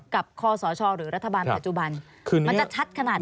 กับข้อสชหรือรัฐบาลปัจจุบันมันจะชัดขนาดนั้นไหมครับ